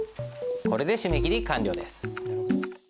これで締め切り完了です。